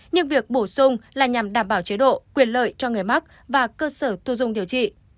nhưng việc bổ sung là nhằm đảm bảo chế độ quyền lợi cho người mắc và cơ sở thu dung điều trị